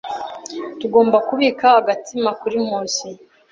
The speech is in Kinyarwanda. Tugomba kubika agatsima kuri Nkusi.